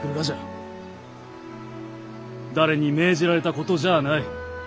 誰に命じられたことじゃあない。